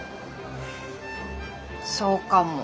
そうかも。